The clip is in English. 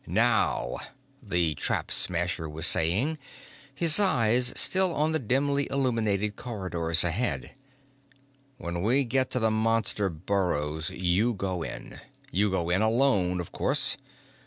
"Now," the Trap Smasher was saying, his eyes still on the dimly illuminated corridors ahead. "When we get to the Monster burrows, you go in. You go in alone, of course."